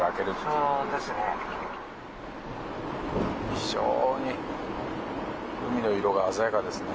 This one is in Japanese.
非常に海の色が鮮やかですね。